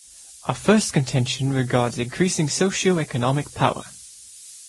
Our first contention regards increasing socioeconomic power